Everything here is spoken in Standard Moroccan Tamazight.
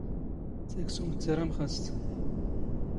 ⵜⴰⴽⵙⵓⵎⵜ ⵜⴰⵔⴰⵎⵅⴰⵙⵜ.